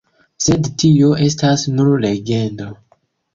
Sed tio estas nur legendo.